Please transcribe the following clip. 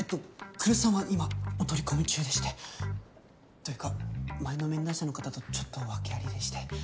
来栖さんは今お取り込み中でして。というか前の面談者の方とちょっと訳ありでして。